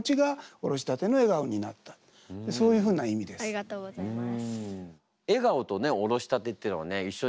ありがとうございます。